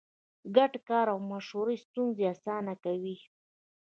ګډ کار او مشوره ستونزې اسانه کوي.